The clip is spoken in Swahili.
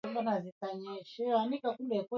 Huu wimbo ni wangu peke yangu